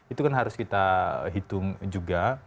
itu kan harus kita hitung juga